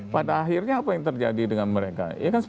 pada akhirnya apa yang terjadi dengan mereka